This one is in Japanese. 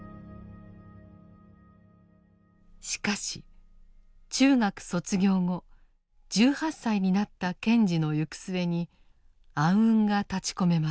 しかし中学卒業後１８歳になった賢治の行く末に暗雲が立ちこめます。